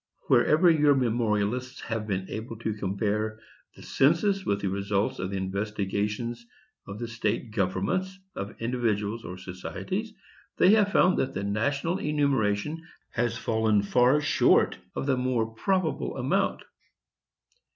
Wherever your memorialists have been able to compare the census with the results of the investigations of the state governments, of individuals, or societies, they have found that the national enumeration has fallen far short of the more probable amount.